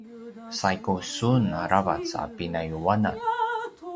saigu sun aravac a pinayuanan